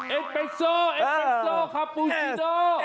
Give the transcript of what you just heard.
อ๋อเอสเปซโอเอสเปซโอเอสเปซโอคาปูชิโน่